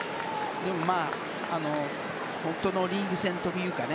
でもまあ本当のリーグ戦のというかね